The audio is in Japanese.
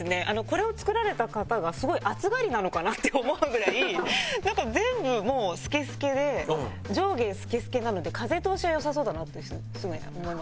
これを作られた方がすごい暑がりなのかなって思うぐらいなんか全部もうスケスケで上下スケスケなので風通しは良さそうだなっていう風には思いますね。